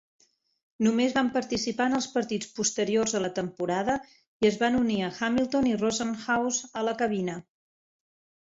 Només van participar en els partits posteriors a la temporada i es van unir a Hamilton i Rosenhaus a la cabina.